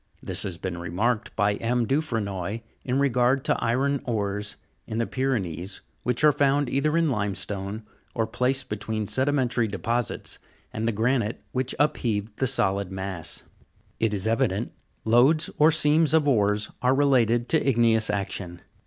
This has been remarked by M. Dufrenoy in regard to iron ores in the Py renees, which are found either in limestone, or placed between sedimentary deposits and the granite which upheaved the solid mass. It is evident, lodes or seams of ores are related to igneous action.